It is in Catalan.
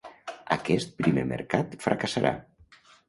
Aquest primer mercat fracassarà.